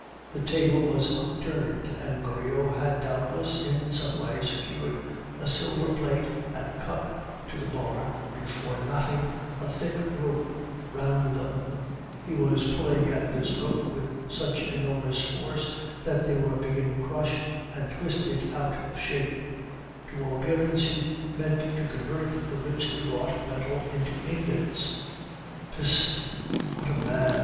The table was upturned, and Goriot had doubtless in some way secured a silver plate and cup to the bar before knotting a thick rope round them; he was pulling at this rope with such enormous force that they were being crushed and twisted out of shape; to all appearance he meant to convert the richly wrought metal into ingots. "Peste! what a man!"